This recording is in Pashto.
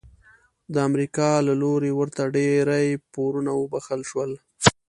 د امریکا له لوري ورته ډیری پورونه وبخښل شول.